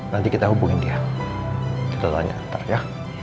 nanti kita hubungin dia kita tanya ntar ya